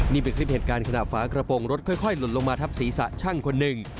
นี่เป็นคลิปเหตุการณ์ขณะฝากระโปรงรถค่อยหล่นลงมาทับศีรษะช่างคนหนึ่ง